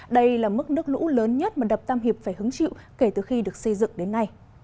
đây là mức nước lũ lớn nhất mà đập tam hiệp phải hứng chịu kể từ khi được xây dựng đến nay